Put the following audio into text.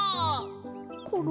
コロ？